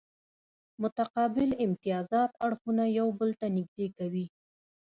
متقابل امتیازات اړخونه یو بل ته نږدې کوي